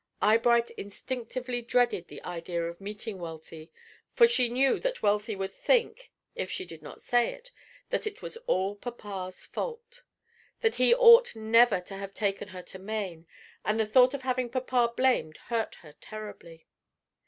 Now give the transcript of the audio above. Eyebright instinctively dreaded the idea of meeting Wealthy, for she knew that Wealthy would think if she did not say it, that it was all papa's fault; that he ought never to have taken her to Maine, and the thought of having papa blamed hurt her terribly.